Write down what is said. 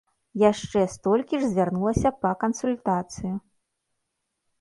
Яшчэ столькі ж звярнулася па кансультацыю.